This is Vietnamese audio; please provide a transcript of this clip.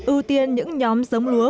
ưu tiên những nhóm giống lúa